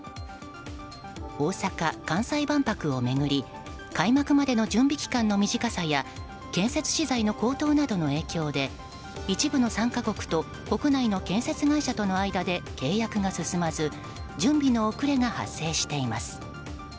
大阪・関西万博を巡り開幕までの準備期間の短さや建設資材の高騰などの影響で一部の参加国と国内の建設会社との間で契約が進まず準備の遅れが発生しています。